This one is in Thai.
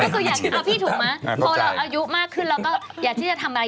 ก็คืออยากเอาพี่ถูกไหมพอเราอายุมากขึ้นเราก็อยากที่จะทำอะไร